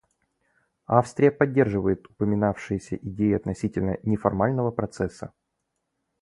Австрия поддерживает упоминавшиеся идеи относительно неформального процесса.